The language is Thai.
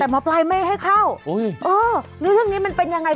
แต่หมอปลายไม่ให้เข้าหรือเรื่องนี้มันเป็นยังไง